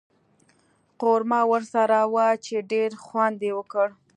قورمه ورسره وه چې ډېر خوند یې وکړ.